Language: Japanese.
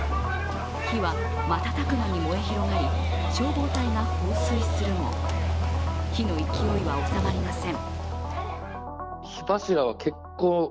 火は瞬く間に燃え広がり、消防隊が放水するも火の勢いは収まりません。